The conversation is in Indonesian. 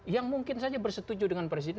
yang mungkin saja bersetuju dengan presiden